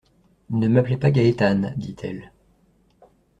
—«Ne m’appelez pas Gaétane,» dit-elle.